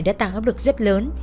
đã tạo ấp lực rất lớn